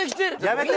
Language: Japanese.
やめて。